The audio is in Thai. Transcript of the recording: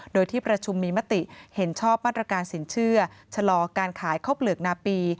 โดยที่ประชุมมีมติเห็นชอบมาตรการสินเชื่อชะลอการขายข้าวเปลือกนาปี